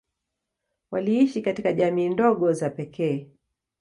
Waliishi katika jamii ndogo za pekee.